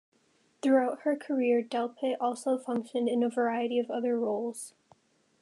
Throughout her career, Delpit also functioned in a variety of other roles.